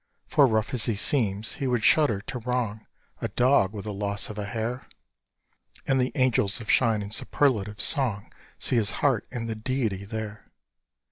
For, rough as he seems, he would shudder to wrong A dog with the loss of a hair; And the angels of shine and superlative song See his heart and the deity there.